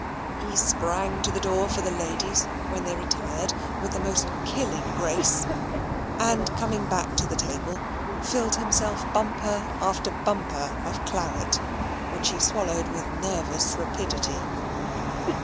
He sprang to open the door for the ladies, when they retired, with the most killing grace and coming back to the table, filled himself bumper after bumper of claret, which he swallowed with nervous rapidity.